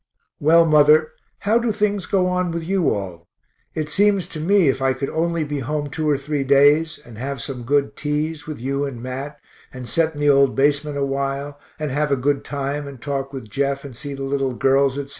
Well, mother, how do things go on with you all? It seems to me if I could only be home two or three days, and have some good teas with you and Mat, and set in the old basement a while, and have a good time and talk with Jeff, and see the little girls, etc.